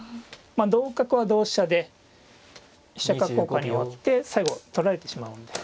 同角は同飛車で飛車角交換に終わって最後取られてしまうんで。